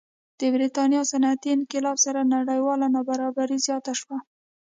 د برېټانیا صنعتي انقلاب سره نړیواله نابرابري زیاته شوه.